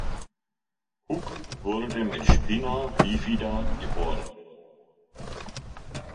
Hug wurde mit Spina bifida geboren.